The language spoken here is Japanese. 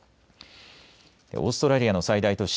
オーストラリアの最大都市